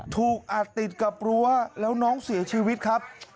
ถูกอัดติดกับรั้วแล้วน้องเสียชีวิตครับ